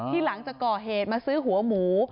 หลังจากก่อเหตุมาซื้อหัวหมู